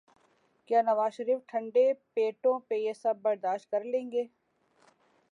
کیا نوازشریف ٹھنڈے پیٹوں یہ سب برداشت کر لیں گے؟